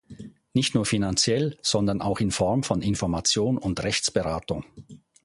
Nicht nur finanziell, sondern auch in Form von Information und Rechtsberatung.